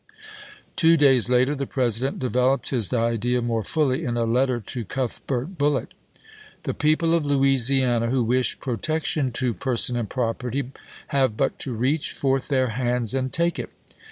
Two days later the President developed his idea more fully in a letter to Cuthbert Bullitt : The people of Louisiana who wish protection to per son and property, have but to reach forth their hands and take it.